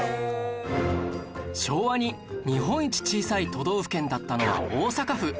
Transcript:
昭和に日本一小さい都道府県だったのは大阪府